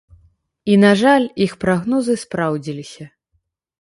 І, на жаль, іх прагнозы спраўдзіліся.